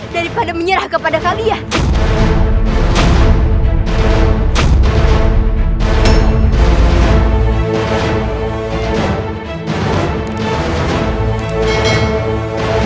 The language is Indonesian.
daripada menyerah kepada kalian